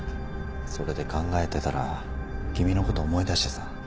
それで考えてたら君のこと思い出してさ。